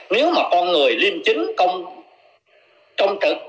nếu mà con người liêm chính công trực nghiêm minh quản lý nhà nước